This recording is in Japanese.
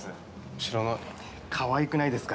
知らないかわいくないですか？